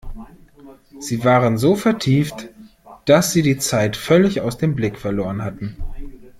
Sie waren so vertieft, dass sie die Zeit völlig aus dem Blick verloren hatten.